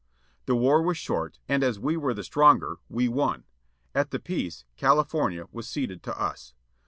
The war was short, and as we were the stronger we won. At the peace Cali fornia was ceded to us.